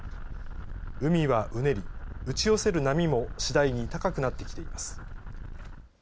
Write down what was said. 海はうねり、打ち寄せる波もしだいに高くなってきています。